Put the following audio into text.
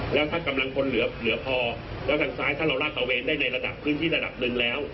แล้วถ้ากำลังพลเหลือพอแล้วทางซ้ายถ้าเราลาดตะเวนได้ในระดับพื้นที่ระดับหนึ่งแล้ว